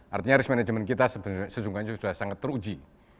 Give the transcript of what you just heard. artinya risk management kita sejujurnya sudah sangat teruji